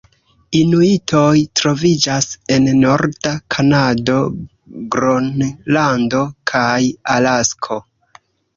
Inuitoj troviĝas en norda Kanado, Gronlando kaj Alasko.